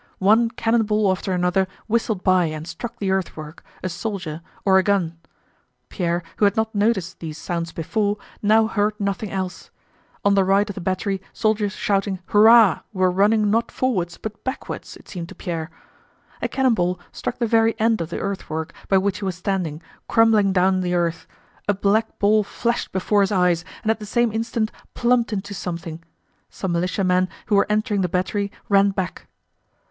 One cannon ball after another whistled by and struck the earthwork, a soldier, or a gun. Pierre, who had not noticed these sounds before, now heard nothing else. On the right of the battery soldiers shouting "Hurrah!" were running not forwards but backwards, it seemed to Pierre. A cannon ball struck the very end of the earth work by which he was standing, crumbling down the earth; a black ball flashed before his eyes and at the same instant plumped into something. Some militiamen who were entering the battery ran back.